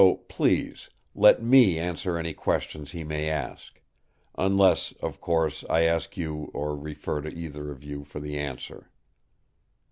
So, please, let me answer any questions he may ask; unless, of course, I ask you or refer to either of you for the answer."